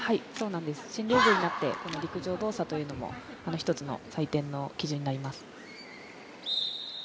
新ルールになって陸上動作も１つの採点の基準になります。